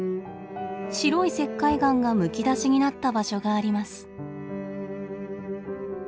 白い石灰岩がむき出しになった場所があります。